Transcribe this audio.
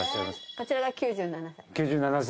こちらが９７歳。